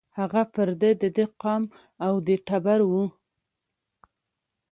هغه پر د ده د قام او د ټبر وو